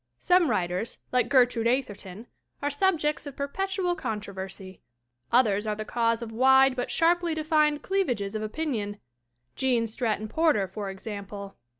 Some writers, like Gertrude Atherton, are subjects of perpetual controversy; others are the cause of wide but sharply defined cleavages of opinion Gene Stratton Porter, for example.